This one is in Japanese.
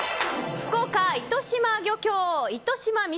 福岡、糸島漁協糸島味噌